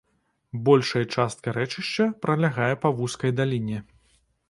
Большая частка рэчышча пралягае па вузкай даліне.